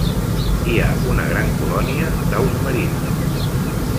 Hi ha una gran colònia d'aus marines.